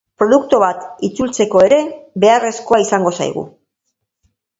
Produktu bat itzultzeko ere beharrezkoa izango zaizu.